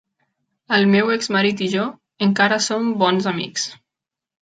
El meu exmarit i jo encara som bons amics.